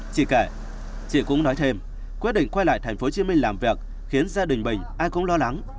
chị kể chị cũng nói thêm quyết định quay lại thành phố hồ chí minh làm việc khiến gia đình mình ai cũng lo lắng